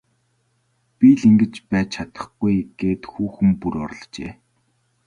Би л ингэж байж чадахгүй гээд хүүхэн бүр уурлажээ.